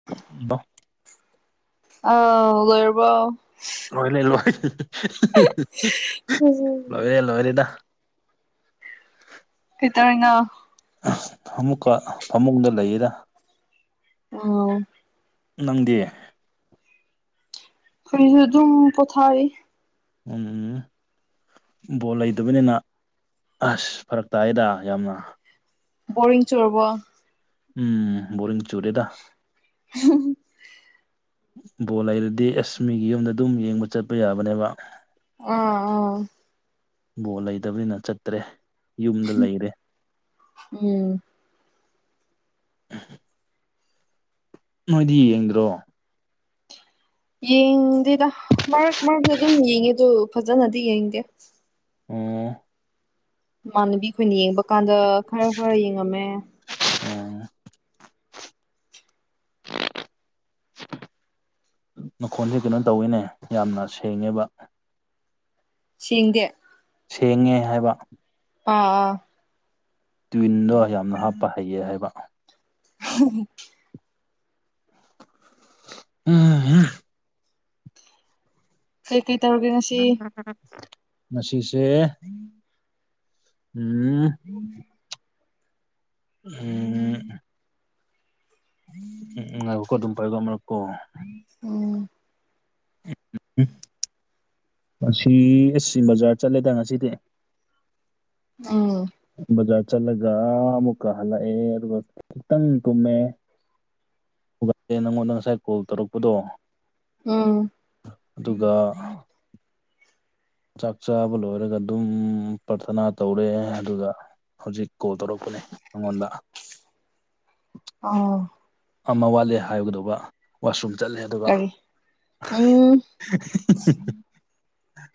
[unintelligible] ꯑꯥ ꯑꯣꯏꯔꯕ ꯂꯣꯏꯔꯦ ꯂꯣꯏ ꯂꯣꯏꯔꯦ ꯂꯣꯏꯔꯦꯗ ꯀꯩꯇꯧꯔꯤꯅꯣ ꯑꯃꯨꯛꯀ ꯐꯃꯨꯡꯗ ꯂꯩꯌꯦꯗ ꯑꯣ ꯅꯪꯗꯤ ꯑꯩꯈꯣꯏꯖꯨ ꯑꯗꯨꯝ ꯄꯣꯊꯥꯔꯤ ꯎꯝ ꯎꯝ ꯕꯣꯜ ꯂꯩꯇꯕꯅꯤꯅ ꯑꯁ ꯐꯔꯛ ꯇꯥꯏꯌꯦꯗ ꯌꯥꯝꯅ ꯕꯣꯔꯤꯡ ꯆꯨꯔꯕꯣ ꯎꯝ ꯕꯣꯔꯤꯡ ꯆꯨꯔꯦꯗ [unintelligible] ꯕꯣꯜ ꯂꯩꯔꯗꯤ ꯑꯦꯁ ꯃꯤꯒꯤ ꯌꯨꯝꯗ ꯑꯗꯨꯝ ꯌꯦꯡꯕ ꯆꯠꯄ ꯌꯥꯕꯅꯦꯕ꯫ ꯑꯣ ꯕꯣꯜ ꯂꯩꯇꯕꯅꯤꯅ ꯆꯠꯇ꯭ꯔꯦ ꯌꯨꯝꯗ ꯂꯩꯔꯦ꯫ ꯎꯝ꯫ ꯅꯣꯏꯗꯤ ꯌꯦꯡꯗ꯭ꯔꯣ꯫ ꯌꯦꯡꯗꯦꯗ ꯃꯔꯛ ꯃꯔꯛꯇ ꯑꯗꯨꯝ ꯌꯦꯡꯉꯦ ꯑꯗꯨ ꯐꯖꯅꯗꯤ ꯌꯦꯡꯗꯦ꯫ ꯑꯣ꯫ ꯏꯃꯥꯟꯅꯕꯤ ꯈꯣꯏꯅ ꯌꯦꯡꯕ ꯀꯥꯟꯗ ꯈꯔ ꯈꯔ ꯌꯦꯡꯉꯝꯃꯦ꯫ ꯎꯝ ꯃꯈꯣꯜꯗꯤ ꯀꯩꯅꯣ ꯇꯧꯋꯤꯅꯦ ꯌꯥꯝꯅ ꯁꯦꯡꯉꯦꯕ ꯁꯦꯡꯗꯦ ꯁꯦꯡꯉꯦ ꯍꯥꯏꯕ ꯑꯥ ꯑꯥ ꯇ꯭ꯋꯤꯟꯗꯣ ꯌꯥꯝꯅ ꯍꯥꯞꯄ ꯍꯩꯌꯦ ꯍꯥꯏꯕ [unintelligible] ꯎꯝ ꯀꯩ ꯀꯩ ꯇꯧꯔꯒꯦ ꯉꯁꯤ꯫ [unintelligible] ꯉꯁꯤꯁꯦ ꯎꯝ꯫ ꯎꯝ꯫ ꯎꯝꯍꯨꯝ ꯑꯗꯨꯝ ꯄꯥꯏꯌꯨꯀꫭ ꯑꯃꯔꯛꯀꯣ꯫ ꯎꯝ꯫ ꯎ ꯉꯁꯤ ꯑꯁꯤ ꯕꯖꯥꯔ ꯆꯠꯂꯦꯗ ꯉꯁꯤꯗꯤ꯫ ꯎꯝ꯫ ꯕꯖꯥꯔ ꯆꯠꯂꯒ ꯑꯃꯨꯛꯀ ꯍꯜꯂꯛꯑꯦ ꯑꯗꯨꯒ ꯈꯤꯇꯪ ꯇꯨꯝꯃꯦ꯫ ꯍꯧꯒꯠꯂꯦꯅꯥ ꯅꯪꯉꯣꯟꯗ ꯉꯁꯥꯏ ꯀꯣꯜ ꯇꯧꯔꯛꯄꯗꯣ꯫ ꯎꯝ꯫ ꯑꯗꯨꯒ꯫ ꯆꯥꯛ ꯆꯥꯕ ꯂꯣꯏꯔꯒ ꯑꯗꯨꯝ ꯄ꯭ꯔꯊꯅꯥ ꯇꯧꯔꯦ ꯑꯗꯨꯒ꯫ ꯍꯧꯖꯤꯛ ꯀꯣꯜ ꯇꯧꯔꯛꯄꯅꯦ ꯅꯪꯉꯣꯟꯗ꯫ ꯑꯥꯎ ꯑꯃ ꯋꯥꯠꯂꯦ ꯍꯥꯏꯒꯗꯧꯕ꯫ ꯋꯥꯁꯔꯨꯝ ꯆꯠꯂꯦ ꯑꯗꯨꯒ꯫ ꯀꯔꯤ ꯎꯝ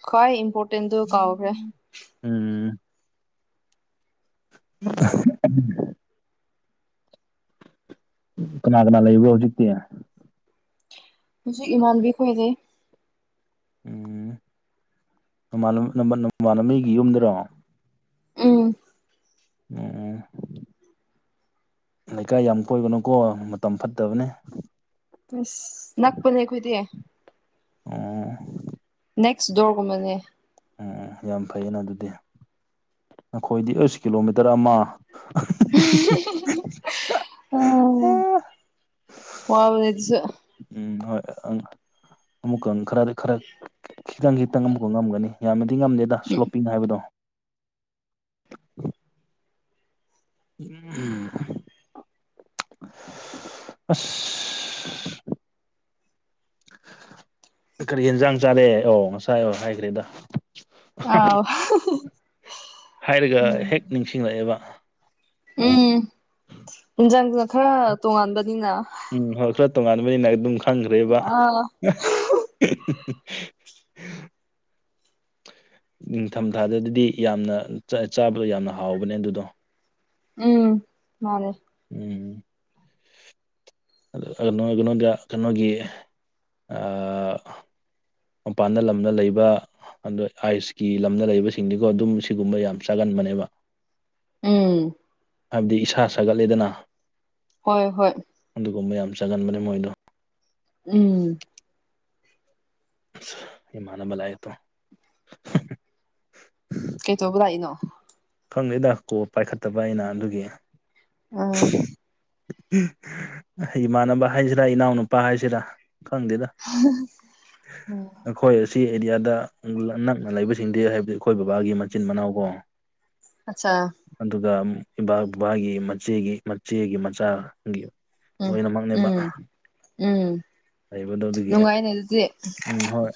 ꯈ꯭ꯋꯥꯏ ꯏꯝꯄꯣꯔꯇꯦꯟꯗꯨ ꯀꯥꯎꯈ꯭ꯔꯦ꯫ ꯎꯝ꯫ [unintelligible] [unintelligible] ꯀꯅꯥ ꯀꯅꯥ ꯂꯩꯕꯣ ꯍꯧꯖꯤꯛꯇꯤ꯫ ꯍꯧꯖꯤꯛ ꯏꯃꯥꯟꯕꯤ ꯈꯣꯏꯂꯩ꯫ ꯎꯝ ꯅꯃꯥꯟ ꯅꯃꯥꯟꯅꯕꯤꯒꯤ ꯌꯨꯝꯗꯔꯣ꯫ ꯎꯝ ꯎꯝ꯫ ꯂꯩꯀꯥꯏ ꯌꯥꯝ ꯀꯣꯏꯕꯅꯨꯀꯣ ꯃꯇꯝ ꯐꯠꯇꯕꯅꯦ꯫ ꯑꯁ ꯅꯛꯄꯅꯦ ꯑꯩꯈꯣꯏꯗꯤ꯫ ꯑꫭ꯫ ꯅꯦꯛꯁ ꯗꯣꯔꯒꯨꯝꯕꯅꯦ꯫ ꯎꯝ ꯎ ꯌꯥꯝ ꯐꯩꯌꯦꯅ ꯑꯗꯨꯗꯤ ꯅꯈꯣꯏꯗꯤ ꯑꯩꯁ ꯀꯤꯂꯣꯃꯤꯇꯔ ꯑꯃ꯫ [unintelligible] ꯋꯥꯕꯅꯦ ꯑꯗꯨꯁꯨ꯫ ꯎꯝ ꯍꯣꯏ ꯑꯃꯨꯛꯀ ꯈꯔꯗꯤ ꯈꯔ ꯈꯤꯇꯪ ꯈꯤꯇꯪ ꯑꯃꯨꯛꯀ ꯉꯝꯒꯅꯤ꯫ ꯌꯥꯝꯅꯗꯤ ꯉꯝꯗꯦꯗ ꯁ꯭ꯂꯣꯞꯄꯤꯡ ꯍꯥꯏꯕꯗꯣ꯫ [unintelligible] ꯑꯁ ꯀꯔꯤ ꯌꯦꯟꯖꯥꯡ ꯆꯥꯔꯛꯑꯦ ꯑꯣ ꯉꯁꯥꯏ ꯑꯣ ꯍꯥꯏꯈ꯭ꯔꯦꯗ ꯑꯥꯎ ꯍꯥꯏꯔꯒ ꯍꯦꯛ ꯅꯤꯡꯁꯤꯡꯂꯛꯑꯦꯕ ꯎꯝ ꯏꯟꯖꯥꯡꯗꯨꯅ ꯈꯔ ꯇꯣꯉꯥꯟꯕꯅꯤꯅ ꯎꯝ ꯍꯣꯏ ꯈꯔ ꯇꯣꯉꯥꯟꯕꯅꯤꯅ ꯑꯗꯨꯝ ꯈꯪꯈ꯭ꯔꯦꯕ ꯑꯥ [unintelligible] ꯅꯤꯡꯊꯝꯊꯥꯗꯗꯤ ꯌꯥꯝꯅ ꯆꯥꯕꯗꯣ ꯌꯥꯝꯅ ꯍꯥꯎꯕꯅꯦ ꯑꯗꯨꯗꯣ꯫ ꯎꯝ ꯃꯥꯅꯦ꯫ ꯎꯝ꯫ [unintelligible] ꯀꯩꯅꯣꯗ ꯀꯩꯅꯣꯒꯤ ꯑꯥ꯫ ꯃꯄꯥꯟꯗ ꯂꯝꯗ ꯂꯩꯕ꯫ ꯑꯗꯣ ꯑꯌꯨꯁꯀꯤ ꯂꯝꯗ ꯂꯩꯕꯁꯤꯡꯗꯤꯀꯣ ꯑꯗꯨꯝ ꯁꯤꯒꯨꯝꯕ ꯌꯥꯝ ꯆꯥꯒꯟꯕꯅꯦꯕ ꯎꯝ ꯍꯥꯏꯕꯗꯤ ꯏꯁꯥ ꯁꯥꯒꯠꯂꯦꯗꯅ ꯍꯣꯏ ꯍꯣꯏ ꯑꯗꯨꯒꯨꯝꯕ ꯌꯥꯝ ꯆꯒꯟꯕꯅꯦ ꯃꯣꯏꯗꯣ ꯎꯝ [unintelligible] ꯃꯅꯕ ꯂꯥꯢꯠꯇꯣ ꯀꯩ ꯇꯧꯕ ꯂꯥꯛꯏꯅꯣ ꯈꯪꯗꯦꯗ ꯀꯣ ꯄꯥꯏꯈꯠꯇꯕ ꯑꯩꯅ ꯑꯗꯨꯒꯤ ꯎꯝ [unintelligible] ꯏꯃꯥꯟꯅꯕ ꯍꯥꯏꯁꯤꯔꯥ ꯏꯅꯥꯎꯅꯨꯄꯥ ꯍꯥꯏꯁꯤꯔꯥ ꯈꯪꯗꯦꯗ ꯑꯩꯈꯣꯏ ꯑꯁꯤ ꯑꯦꯔꯤꯌꯥꯗ ꯂ ꯅꯛꯅ ꯂꯩꯕꯁꯤꯡꯗꯤ ꯍꯥꯏꯕꯗꯤ ꯑꯩꯈꯣꯏ ꯕꯕꯥꯒꯤ ꯃꯆꯤꯟ ꯃꯅꯥꯎ ꯀꯣ [inaudible] ꯑꯆꯥ ꯑꯗꯨꯒ ꯏꯕꯥꯛ ꯕꯕꯥꯒꯤ ꯃꯆꯦꯒꯤ ꯃꯆꯦꯒꯤ ꯃꯆꯥ ꯒꯤ ꯎꯝ ꯂꯣꯏꯅꯃꯛꯅꯦꯕ ꯎꯝ ꯎꯝ ꯂꯩꯕꯗꯣꯗꯒꯤ ꯅꯨꯡꯉꯥꯏꯅꯦ ꯑꯗꯨꯗꯤ ꯎꯝ ꯍꯣꯏ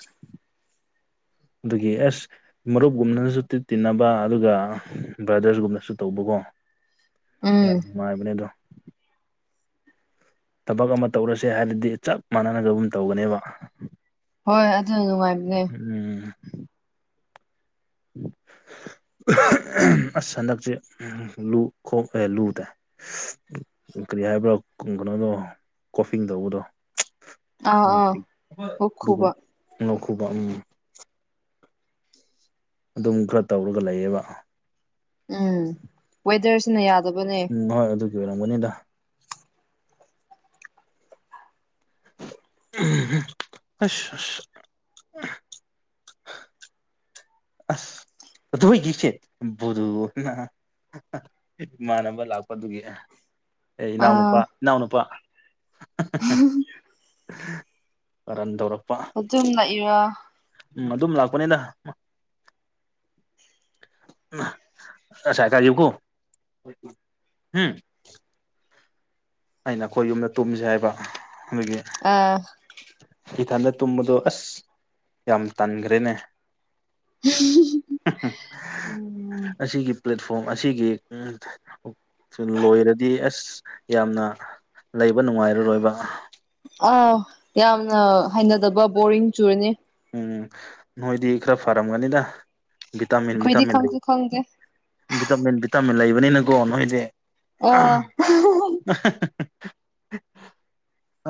ꯑꯗꯨꯒꯤ ꯑꯦꯁ ꯃꯔꯨꯞꯒꯨꯝꯅꯅꯁꯨ ꯇꯤꯠ ꯇꯤꯟꯅꯕ ꯑꯗꯨꯒ ꯕ꯭ꯔꯗꯔꯁꯒꯨꯝꯅꯁꯨ ꯇꯧꯕꯀꯣ ꯎꯝ ꯌꯥꯝ ꯅꯨꯡꯉꯥꯏꯕꯅꯦ ꯑꯗꯣ ꯊꯕꯛ ꯑꯃ ꯇꯧꯔꯁꯦ ꯍꯥꯏꯔꯗꯤ ꯆꯞ ꯃꯥꯟꯅꯅ ꯑꯗꯨꯝ ꯇꯧꯒꯅꯦꯕ ꯍꯣꯏ ꯑꯗꯨꯅ ꯅꯨꯡꯉꯥꯏꯕꯅꯦ ꯎꯝ [unintelligible] ꯑꯁ ꯍꯟꯗꯛꯁꯦ ꯂꯨ ꯈꯣꯛ ꯑꯦ ꯂꯨꯗ ꯀꯔꯤ ꯍꯥꯏꯕ꯭ꯔꯣ ꯀꯩꯅꯣꯗꯣ ꯀꯣꯐꯤꯡ ꯇꯧꯕꯗꯣ ꯑꯥ ꯑꯥ ꯍꯣꯛ ꯈꯨꯕ ꯅꯧꯈꯨꯕ ꯎꯝ ꯑꯗꯨꯝ ꯈꯔ ꯇꯧꯔꯒ ꯂꯩꯌꯦꯕ ꯎꯝ ꯋꯦꯗꯔꯁ ꯅ ꯌꯥꯗꯕ ꯎꯝ ꯍꯣꯏ ꯑꯗꯨꯒꯤ ꯑꯣꯏꯔꯝꯒꯅꯤꯗ ꯎꯝ ꯎꯝ ꯑꯁ ꯑꯁ ꯑꯁ [unintelligible] [unintelligible] ꯏꯃꯥꯟꯅꯕ ꯂꯥꯛꯄ ꯑꯗꯨꯒꯤ ꯑꯦ ꯏꯅꯥꯎ ꯑꯥ ꯅꯨꯨꯄꯥ ꯏꯅꯥꯎ ꯅꯨꯨꯄꯥ [unintelligible] ꯀꯔꯟ ꯇꯧꯔꯛꯄ ꯑꯗꯨꯝ ꯂꯥꯛꯏꯔꯥ ꯎꯝ ꯑꯗꯨꯝ ꯂꯥꯛꯄꯅꯦꯗ [unintelligible] ꯑꯩꯅ ꯑꯩꯈꯣꯏ ꯌꯨꯝꯗ ꯇꯨꯝꯁꯦ ꯍꯥꯏꯕ ꯑꯗꯨꯒꯤ ꯑꯥ ꯏꯊꯟꯗ ꯇꯨꯝꯕꯗꯣ ꯑꯁ ꯌꯥꯝ ꯇꯟꯈ꯭ꯔꯦꯅꯦ [unintelligible] [unintelligible] ꯎꯝ ꯑꯁꯤꯒꯤ ꯄ꯭ꯂꯦꯠꯐꯣꯝ ꯑꯁꯤꯒꯤ ꯎꯝ ꯂꯣꯏꯔꯗꯤ ꯑꯁ ꯌꯥꯝꯅ ꯂꯩꯕ ꯅꯨꯡꯉꯥꯏꯔꯔꯣꯏꯕ ꯑꯥꯎ ꯌꯥꯝꯅ ꯍꯩꯅꯗꯕ ꯕꯣꯔꯤꯡ ꯆꯨꯔꯅꯤ ꯎꯝ ꯅꯣꯏꯗꯤ ꯈꯔ ꯐꯔꯝꯒꯅꯤꯗ ꯚꯤꯇꯥꯃꯤꯟ ꯑꯩꯈꯣꯏꯗꯤ ꯚꯤꯇꯥꯃꯤꯟ ꯂꯩ ꯈꯪꯁꯨ ꯈꯪꯗꯦ ꯚꯤꯇꯥꯃꯤꯟ ꯚꯤꯇꯥꯃꯤꯟ ꯂꯩꯕꯅꯤꯅꯀꯣ ꯅꯣꯏꯗꯤ ꯑ ꯑꯥ [unintelligible]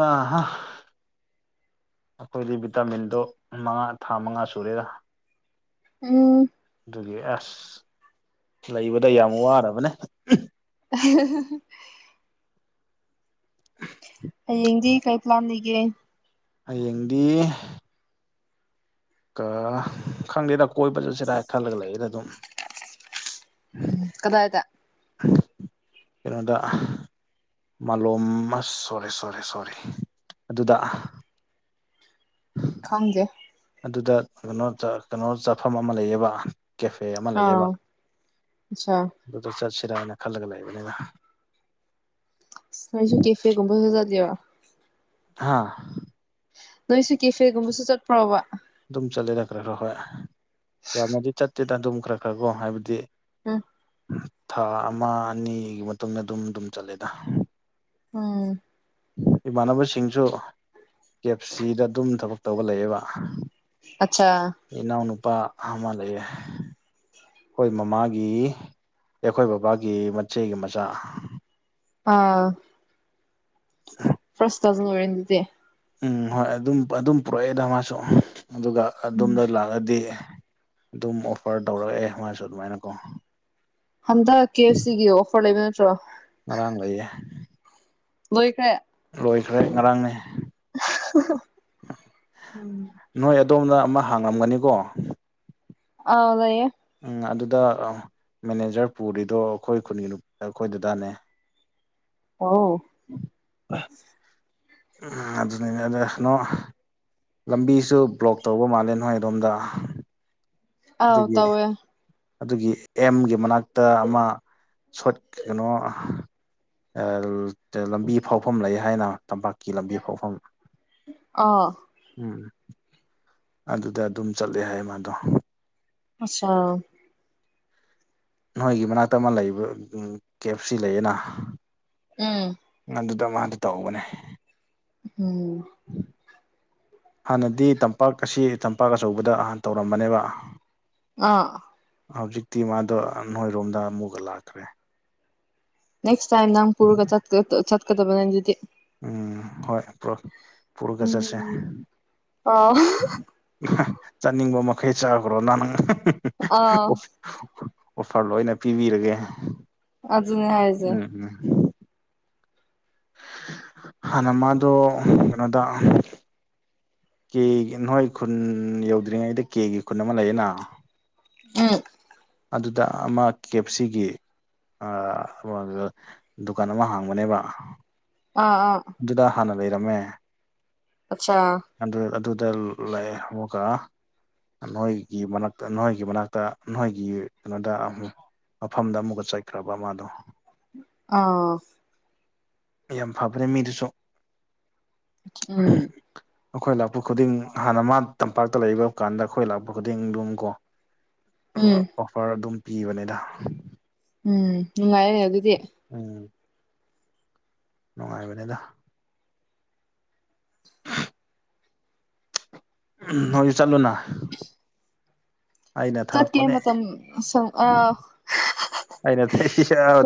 ꯑꯥ ꯍꯥ ꯑꯩꯈꯣꯏꯗꯤ ꯚꯤꯇꯥꯃꯤꯟꯗꯣ ꯃꯉꯥ ꯊꯥ ꯃꯉꯥ ꯁꯨꯔꯦꯔ ꯎꯝ ꯑꯗꯨꯒꯤ ꯑꯁ ꯂꯩꯕꯗ ꯌꯥꯝ ꯋꯥꯔꯕꯅꯦ [unintelligible] ꯍꯌꯦꯡꯗꯤ ꯀꯩ ꯄ꯭ꯂꯥꯟ ꯂꯩꯒꯦ ꯍꯌꯦꯡꯗꯤ ꯀꯥ ꯈꯪꯗꯦꯗ ꯀꯣꯏꯕ ꯆꯠꯁꯤꯔꯥꯏ ꯈꯜꯂꯒ ꯂꯩꯗ ꯑꯗꯨꯝ ꯎꯝ ꯀꯗꯥꯥꯏꯗ ꯀꯩꯅꯣꯗ ꯃꯥꯂꯣꯝ ꯁꯣꯔꯤ ꯁꯣꯔꯤ ꯁꯣꯔꯤ ꯑꯗꯨꯗ ꯈꯪꯒꯦ ꯑꯗꯨꯗ ꯀꯩꯅꯣ ꯀꯩꯅꯣ ꯆꯥꯐꯝ ꯑꯃ ꯂꯩꯌꯦꯕ ꯀꯦꯐꯦ ꯑꯃ ꯂꯩꯌꯦꯕ ꯑꯥ ꯑꯠꯆꯥ ꯑꯗꯨꯗ ꯆꯠꯁꯤꯔꯥꯅ ꯈꯜꯂꯒ ꯂꯩꯕꯅꯤꯅ ꯅꯣꯏꯁꯨ ꯀꯦꯐꯦꯒꯨꯝꯕꯁꯨꯖꯗꯦꯕ ꯍꯥꯥ ꯅꯣꯏꯁꯨ ꯀꯦꯐꯦꯒꯨꯝꯕꯁꯨ ꯆꯠꯄ꯭ꯔꯣꯕ ꯑꯗꯨꯝ ꯆꯠꯂꯦꯗ ꯈꯔ ꯈꯔ ꯍꯣꯏ ꯌꯥꯝꯅꯗꯤ ꯆꯠꯇꯦꯗꯅ ꯑꯗꯨꯝ ꯈꯔ ꯈꯔꯀꯣ ꯍꯥꯏꯕꯗꯤ ꯎꯝ ꯎꯝ ꯊꯥ ꯑꯃ ꯑꯅꯤꯒꯤ ꯃꯇꯨꯡꯗ ꯑꯗꯨꯝ ꯑꯗꯨꯝ ꯆꯠꯂꯦꯗ ꯎꯝ ꯏꯃꯥꯟꯅꯕꯁꯤꯡꯁꯨ ꯀꯦ ꯑꯦꯞ ꯁꯤꯗ ꯑꯗꯨꯝ ꯊꯕꯛ ꯇꯧꯒꯠꯂꯛꯑꯦꯕ ꯑꯆꯥ ꯏꯅꯥꯎ ꯅꯨꯨꯄꯥ ꯑꯃ ꯂꯩꯌꯦꯦ ꯑꯩꯈꯣꯏ ꯃꯃꯥꯒꯤ ꯑꯩꯈꯣꯏ ꯕꯕꯥꯒꯤ ꯃꯆꯦꯒꯤ ꯃꯆꯥ ꯑꯥ ꯑ ꯐ꯭ꯔꯁꯁ ꯑꯣꯏꯣꯏꯦꯟꯗꯤꯗꯤꯦ ꯎꯝ ꯍꯣꯏ ꯑꯗꯨꯝ ꯑꯗꯨꯝ ꯄꯨꯔꯛꯑꯦꯗ ꯃꯥꯁꯨ ꯑꯗꯨꯒ ꯑꯗꯨꯝꯗ ꯂꯥꯛ ꯗꯤ ꯑꯗꯨꯝ ꯑꯣꯐꯔ ꯇꯧꯔꯛꯑꯦ ꯃꯥꯁꯨ ꯑꯗꯨꯃꯥꯏꯅꯀꯣ ꯍꯟꯗꯛ ꯀꯦ ꯑꯦꯐ ꯁꯤꯒꯤ ꯑꯣꯐꯔ ꯂꯩꯕ ꯅꯠꯇ꯭ꯔꯣ ꯑꯔꯥꯡ ꯂꯩꯌꯦ ꯂꯣꯏꯈꯦ ꯂꯣꯏꯈ꯭ꯔꯦ ꯉꯔꯥꯡꯅꯦ ꯎꯝ ꯅꯣꯏ ꯑꯗꯣꯝꯅ ꯑꯃ ꯍꯥꯡꯂꯝꯒꯅꯤꯀꯣ ꯍꯥꯎꯗꯦ ꯎꯝ ꯑꯗꯨꯗ ꯃꯦꯅꯦꯖꯔ ꯄꯨꯔꯤꯗꯣ ꯑꯩꯈꯣꯏ ꯈꯨꯟꯒꯤ ꯑꯩꯈꯣꯏꯗꯨꯗꯥꯅꯦ ꯑꯣꯥꯎ ꯑꯗꯨꯅꯤꯅꯦ ꯑꯗꯩꯅꯣ ꯂꯝꯕꯤꯁꯨ ꯕ꯭ꯂꯣꯛ ꯇꯧꯕ ꯃꯥꯜꯂꯦ ꯅꯣꯏ ꯑꯗꯣꯝꯗ ꯑꯥꯎ ꯑꯗꯨꯒꯤ ꯇꯧꯋꯦ ꯑꯗꯨꯒꯤ ꯑꯦꯝꯒꯤ ꯃꯅꯥꯛꯇ ꯑꯃ ꯁꯣꯠ ꯀꯩꯅꯣ ꯂꯝꯕꯤ ꯐꯥꯎꯐꯝ ꯂꯩ ꯍꯥꯏꯅ ꯇꯝꯄꯥꯛꯀꯤ ꯂꯝꯕꯤ ꯐꯥꯎꯐꯝ ꯑꯥ ꯎꯝ ꯑꯗꯨꯗ ꯑꯗꯨꯝ ꯆꯠꯂꯦ ꯍꯥꯏꯌꯦ ꯃꯥꯗꯣ ꯑꯆꯥ ꯅꯣꯏꯒꯤ ꯃꯅꯥꯛꯇ ꯑꯃ ꯂꯩꯕ ꯀꯦꯞ ꯁꯤ ꯂꯩꯌꯦꯅ ꯎꯝ ꯑꯗꯨꯗ ꯃꯥꯗꯨ ꯇꯧꯕꯅꯦ ꯎꯝ ꯎꯝ ꯍꯥꯟꯅꯗꯤ ꯇꯝꯄꯥꯛ ꯑꯁꯤ ꯇꯝꯄꯥꯛ ꯑꯆꯧꯕꯗꯅ ꯇꯧꯔꯝꯕꯅꯦꯕ ꯑ ꯍꯧꯖꯤꯛꯇꯤ ꯃꯥꯗꯣ ꯅꯣꯏꯔꯣꯝꯗ ꯑꯃꯨꯛꯒ ꯂꯥꯛꯈ꯭ꯔꯦ ꯅꯦꯛꯁ ꯇꯥꯏꯝ ꯅꯪ ꯀꯨꯔꯒ ꯆꯠꯀ ꯆꯠ ꯀ ꯇꯕ ꯅꯗꯇꯗꯤ ꯎꯝ ꯍꯣꯏ ꯄꯨꯔꯒꯁ ꯑꯁꯦ ꯎꯝ ꯑꯥꯎ ꯆꯥꯅꯤꯡꯕ ꯃꯈꯩ ꯆꯥꯈ꯭ꯔꯣ ꯅꯍꯪ ꯑꯥ ꯑꯣꯐꯔ ꯂꯣꯏꯅ ꯄꯤꯕꯤꯔꯒꯦ ꯑꯖꯅ ꯍꯥꯏꯖꯦ ꯎꯝ ꯎꯝ ꯍꯅ ꯃꯥꯗ ꯀꯩꯅꯣꯗ ꯀꯦ ꯅꯣꯏ ꯈꯨꯟ ꯌꯧꯗ꯭ꯔꯤꯉꯩꯗ ꯀꯦꯒꯤ ꯈꯨꯟ ꯑꯃ ꯂꯩꯌꯦꯅ ꯎ ꯑꯗꯨꯗ ꯑꯃ ꯀꯦ ꯑꯦꯞ ꯁꯤꯒꯤ ꯗꯨꯀꯥꯟ ꯑꯃ ꯍꯥꯡꯕꯅꯦꯕ ꯑꯥ ꯑꯥ ꯑꯗꯨꯗ ꯍꯥꯟꯅ ꯂꯩꯔꯝꯃꯦ ꯑꯆꯥ ꯑꯗꯨ ꯑꯗꯨꯗ ꯂꯩꯥꯛꯑꯦ ꯑꯃꯨꯛꯀ ꯅꯣꯏꯒꯤ ꯃꯛꯇ ꯅꯣꯏꯒꯤ ꯃꯅꯥꯛꯇ ꯅꯣꯏꯒꯤ ꯀꯩꯅꯣꯗ ꯃꯐꯝꯗ ꯑꯃꯨꯛꯀ ꯆꯠꯈ꯭ꯔꯕ ꯃꯥꯗꯣ ꯑ ꯌꯥꯝ ꯐꯕꯅꯦ ꯃꯤꯗꯨꯁꯨ ꯎꯝ ꯑꯩꯈꯣꯏ ꯂꯥꯛꯄ ꯈꯨꯗꯤꯡ ꯍꯥꯟꯅ ꯃꯥ ꯇꯝꯄꯥꯛꯇ ꯂꯩ ꯀꯥꯟꯗ ꯑꯩꯈꯣꯏ ꯂꯥꯛꯄ ꯈꯨꯗꯤꯡ ꯑꯗꯨꯝ ꯀꯣ ꯎꯝ ꯑꯣꯐꯔ ꯑꯗꯨꯝ ꯄꯤꯕꯅꯤꯗ ꯎꯝ ꯎꯉꯑꯦ ꯑꯗꯨꯗꯤ ꯎꯝ ꯅꯨꯡꯉꯥꯏꯕꯅꯤꯗ ꯎꯝ ꯍꯧꯣꯏꯁꯨ ꯆꯠꯂꯨꯅ ꯑꯩꯅ ꯇꯠ ꯀꯝ ꯊꯥꯔꯛꯄꯅꯦ ꯃꯇꯝ ꯁ ꯑꯩꯅ ꯊ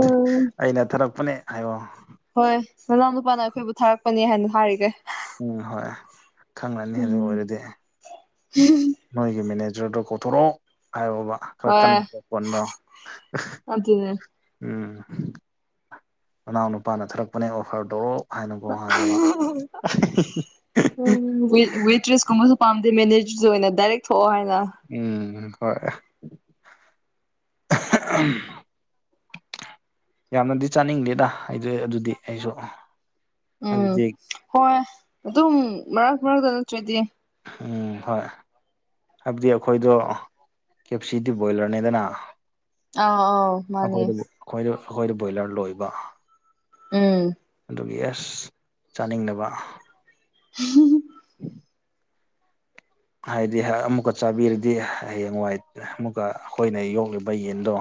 ꯑꯩꯅ ꯊꯥꯔꯛꯄꯅꯦ ꯍꯥꯏꯌꯛꯑꯣ ꯍꯣꯏ ꯅꯅꯥꯎ ꯅꯨꯄꯥꯅ ꯑꯩꯈꯣꯏꯕꯨ ꯊꯥꯔꯛꯄꯅꯦ ꯍꯥꯏꯅ ꯍꯥꯏꯔꯤꯒꯦ ꯎꯝ ꯍꯣꯏ ꯈꯪꯂꯪꯂꯅꯤ ꯑꯗꯨ ꯎꯝ ꯑꯣꯏꯔꯗꯤ ꯅꯣꯏꯒꯤ ꯃꯦꯅꯦꯖꯔꯗꯣ ꯀꯣꯊꯣꯔꯛꯑꯣ ꯍꯥꯏꯣꯕ ꯑꯩꯈꯣꯏ ꯍꯣꯏ ꯀꯟꯅꯕ ꯄꯣꯠꯅꯣ ꯑꯗꯨꯅꯦ ꯎꯝ ꯃꯅꯥꯎ ꯅꯨꯄꯥꯅ ꯊꯔꯛꯄꯅꯦ ꯑꯣꯐꯔꯗꯧꯣ ꯍꯥꯏꯅꯒꯣ ꯍꯥꯏꯌꯕ ꯎ ꯋꯦꯇ꯭ꯔꯦꯁ ꯀꯨꯝꯕꯁꯨ ꯄꯥꯝꯗꯦ ꯃꯦꯅꯦꯖꯔꯁ ꯑꯣꯏꯅ ꯗꯥꯏꯔꯦꯛ ꯊꯣꯛꯑꯣ ꯍꯥꯏꯅ ꯎꯝ ꯍꯣꯏ ꯌꯥꯝꯅꯗꯤ ꯆꯥꯅꯤꯡꯗꯦꯗ ꯑꯩ ꯑꯗꯨꯗꯤ ꯑꯩꯁꯨ ꯎꯝ ꯍꯥꯏꯕꯗꯤ ꯍꯣꯏ ꯑꯗꯨꯝ ꯃꯔꯛ ꯃꯔꯛꯇ ꯅꯠꯇ꯭ꯔꯣꯏꯗꯤ ꯎꯝ ꯍꯣꯏ ꯍꯥꯏꯕꯗꯤ ꯑꯩꯈꯣꯏꯗꯣ ꯀꯦꯞ ꯁꯤꯗꯤ ꯕꯣꯏꯂꯔꯅꯤꯗꯅ ꯑꯥꯎ ꯑꯥꯎ ꯃꯥꯅꯤ ꯑꯩꯈꯣꯏꯗ ꯑꯩꯈꯣꯏꯗ ꯕꯣꯏꯂꯔ ꯂꯣꯏꯕ ꯎꯝ ꯑꯗꯨꯒꯤ ꯑꯦꯁ ꯆꯥꯅꯤꯡꯅꯕ ꯎ [inaudible] ꯍꯥꯏꯗꯤ ꯑꯃꯨꯛꯀ ꯆꯥꯕꯤꯔꯗꯤ ꯍꯌꯦꯡꯋꯥꯏ ꯑꯃꯨꯛꯀ ꯑꯩꯈꯣꯏꯅ ꯌꯣꯛꯂꯤꯕ ꯌꯦꯟꯗꯣ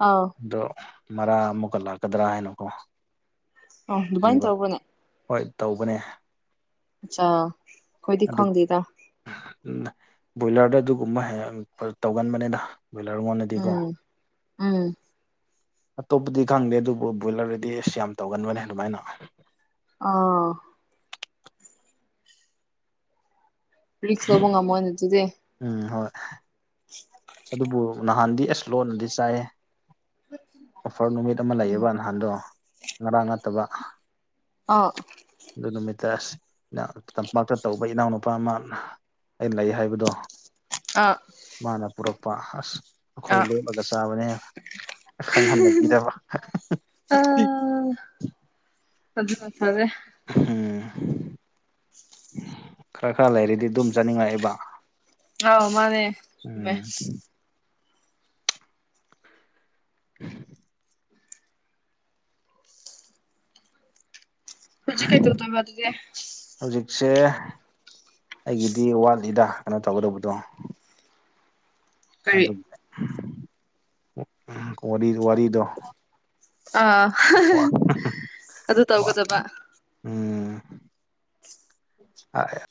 ꯑꯥꯎ ꯑꯗꯣ ꯃꯔꯥ ꯑꯃꯨꯛꯀ ꯂꯥꯛꯀꯗ꯭ꯔꯥ ꯍꯥꯏꯅꯀꯣ ꯑꯣ ꯑꯗꯨꯗꯨꯕꯥꯥꯏ ꯀꯤꯕ ꯇꯧꯕꯣꯅꯦ ꯍꯣꯏ ꯇꯧꯕꯅꯦ ꯑꯆꯥ ꯑꯩꯣꯏꯗꯤꯈꯣꯡꯗꯤꯗ ꯎꯝ ꯕꯣꯏꯂꯔꯗ ꯑꯗꯨꯒꯨꯝꯕ ꯍꯦꯛ ꯇꯧꯒꯟꯕꯅꯤꯗ ꯕꯣꯏꯂꯔꯉꯣꯟꯗꯗꯤꯀꯣ ꯎꯝ ꯎꯝ ꯑꯇꯣꯞꯄꯗꯤ ꯈꯪꯗꯦ ꯑꯗꯨꯕꯨ ꯕꯣꯏꯂꯔꯗꯗꯤ ꯑꯁ ꯌꯥꯝ ꯇꯧꯒꯟꯕꯅꯦ ꯑꯗꯨꯃꯥꯏꯅ ꯑꯣ ꯔꯤꯛꯁ ꯂꯧꯕ ꯉꯝꯃꯣꯏ ꯑꯗꯨ ꯑꯗꯨꯗꯤ ꯎꯝ ꯍꯣꯏ ꯑꯗꯨꯕꯨ ꯅꯍꯥꯟꯗꯤ ꯑꯦꯁꯂꯣꯅꯗꯤ ꯆꯥꯏꯌꯦ ꯑꯣꯐꯔ ꯅꯨꯃꯤꯠ ꯑꯃ ꯎꯝ ꯂꯩꯌꯦꯕ ꯅꯍꯥꯟꯗꯣ ꯉꯔꯥꯡ ꯅꯠꯇꯕ ꯑꯣ ꯑꯗꯨ ꯅꯨꯃꯤꯠꯇ ꯇꯝꯄꯥꯛꯇ ꯇꯧꯕ ꯏꯅꯥꯎꯅꯨꯄꯥ ꯑꯃꯅ ꯑ ꯂꯩ ꯍꯥꯏꯕꯗꯣ ꯑꯥ ꯃꯥꯅ ꯄꯨꯔꯛꯄ ꯑꯁ ꯑꯩꯈꯣꯏ ꯑꯥ ꯂꯣꯠꯂꯒ ꯆꯥꯕꯅꯦ ꯈꯪꯍꯟꯅꯕꯤꯗꯕ ꯑꯗꯨ꯭ꯔꯦ ꯎꯝ ꯈꯔ ꯈꯔ ꯂꯩꯔꯗꯤ ꯑꯗꯨꯝ ꯆꯥꯅꯤꯡꯂꯛꯏꯕ ꯑꯥꯎ ꯃꯥꯅꯦꯃꯦ ꯎꯝ ꯃꯖ ꯀꯥꯏ ꯇꯧ ꯇꯣꯢꯕ ꯑꯗꯤ ꯍꯧꯖꯤꯛꯁꯦ ꯑꯩꯒꯤꯗꯤ ꯋꯥꯠꯂꯤꯗ ꯀꯩꯅꯣ ꯇꯧꯒꯗꯧꯕꯗꯣ ꯀꯔꯤ ꯑꯗꯨ ꯋꯥꯔꯤꯗꯣ ꯑꯥ ꯑꯗꯨ ꯇꯧꯒꯗꯕ ꯍ